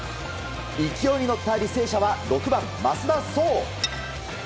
勢いに乗った履正社は６番、増田壮。